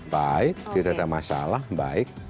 baik tidak ada masalah baik